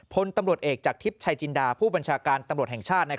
พลตำรวจเอกจากทิพย์ชัยจินดาผู้บัญชาการตำรวจแห่งชาติ